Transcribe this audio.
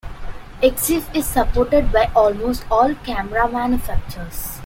Exif is supported by almost all camera manufacturers.